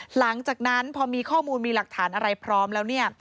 หลังจากนั้นพอมีข้อมูลมีหลักฐานอะไรพร้อมแล้วเนี่ย